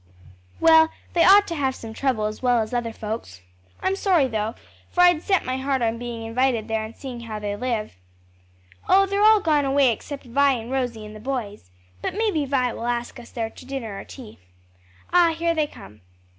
Well, they ought to have some trouble as well as other folks. I'm sorry though; for I'd set my heart on being invited there and seeing how they live." "Oh they're all gone away except Vi and Rosie and the boys. But may be Vi will ask us there to dinner or tea. Ah here they come!"